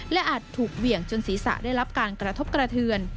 และอาจถูกเหวี่ยงจนศีรษะได้รับการกระทบกระเทือน